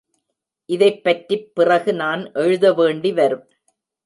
இதைப்பற்றிப் பிறகு நான் எழுத வேண்டி வரும்.